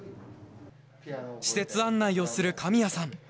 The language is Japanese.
施設案内をする神谷さん。